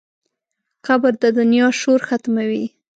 قبر د دنیا شور ختموي.